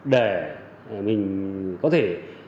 để mình có thể